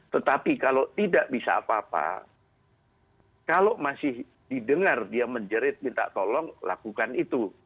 tetapi kalau tidak bisa apa apa kalau masih didengar dia menjerit minta tolong lakukan itu